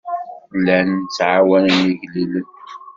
Llan ttɛawanen igellilen.